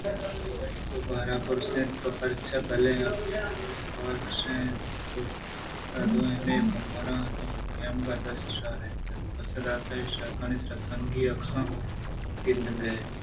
روباہءَپُرس اِت تو پرچا بلاہیں اُفّارگے کشّ اِت؟ شادو ءَ ہمے قبرانی نیمگ ءَ دست شہار دات ءُپسّہ دات اے شَکّانی سر ءِ سِنگی عکساں گِندگائے